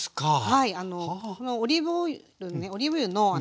はい。